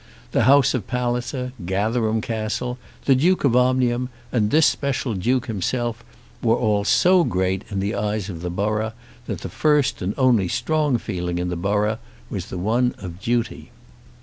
The house of Palliser, Gatherum Castle, the Duke of Omnium, and this special Duke himself, were all so great in the eyes of the borough, that the first and only strong feeling in the borough was the one of duty.